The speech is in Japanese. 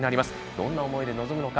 どんな思いで臨むのか。